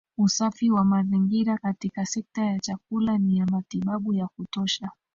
Usafi wa mazingira katika sekta ya chakula ni ya matibabu ya kutosha